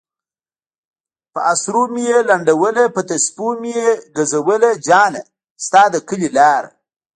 پہ اسرو میی لنڈولہ پہ تسپو میی گزولہ جانہ! ستا د کلی لارہ